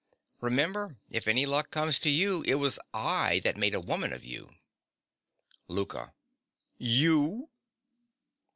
Remember: if any luck comes to you, it was I that made a woman of you. LOUKA. You!